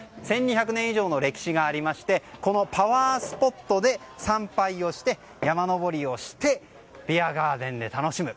１２００年以上の歴史がありましてこのパワースポットで参拝をして、山登りをしてビアガーデンで楽しむ。